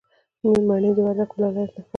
مڼې د وردګو ولایت نښان دی.